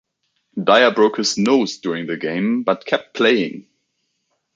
Dyer broke his nose during the game but kept playing.